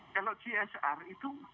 kalau csr itu